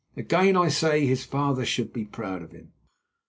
Again I say that his father should be proud of him."